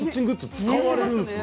使われるんですね。